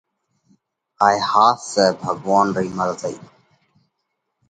هائي سئہ ڀڳوونَ رئِي مرضئِي۔